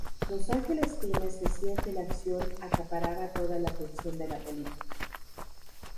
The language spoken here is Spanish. Los Angeles Times decía que la acción acaparaba toda la atención de la película.